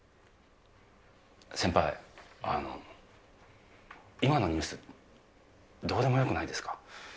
先輩、あの、今のニュース、どうでもよくないですか。